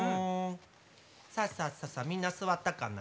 さあさあさあさあみんな座ったかな。